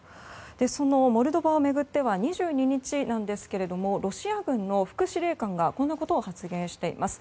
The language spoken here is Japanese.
モルドバを巡っては２２日ですがロシア軍の副司令官がこんな発言をしています。